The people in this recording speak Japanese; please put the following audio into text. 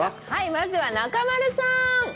まずは、中丸さん！